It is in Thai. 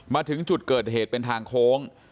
มาถึงจุดเกิดเหตุเป็นทางโค้ง